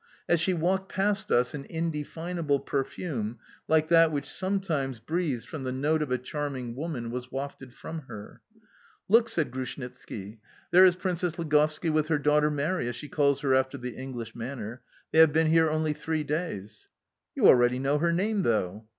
As she walked past us an indefinable perfume, like that which sometimes breathes from the note of a charming woman, was wafted from her. "Look!" said Grushnitski, "there is Princess Ligovski with her daughter Mary, as she calls her after the English manner. They have been here only three days." "You already know her name, though?"